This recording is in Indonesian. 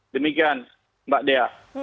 demikian mbak dea